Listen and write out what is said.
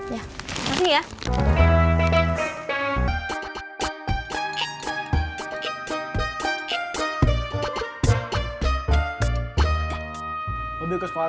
ya makasih ya